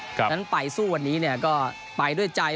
ส่วนใหญ่ฉะนั้นไปสู้วันนี้ก็ไปด้วยใจ